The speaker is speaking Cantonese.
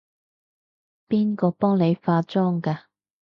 邊個幫你化妝㗎？